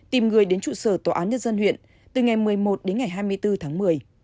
tìm người đến trụ sở tòa án nhân dân huyện từ ngày một mươi một đến ngày hai mươi bốn tháng một mươi